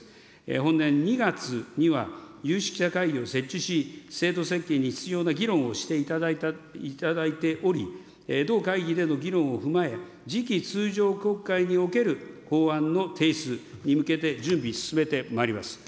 本年２月には有識者会議を設置し、制度設計に必要な議論をしていただいており、同会議での議論を踏まえ、次期通常国会における法案の提出に向けて、準備進めてまいります。